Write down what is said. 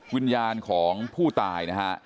วิญญาณของผู้ตายนะฮะ